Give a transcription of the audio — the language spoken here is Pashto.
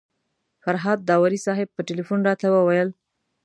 فرهاد داوري صاحب په تیلفون راته وویل.